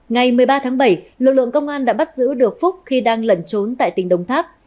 ngày một mươi ba tháng bảy lực lượng công an đã bắt giữ được phúc khi đang lẩn trốn tại tỉnh đồng tháp